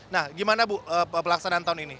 nah gimana bu pelaksanaan tahun ini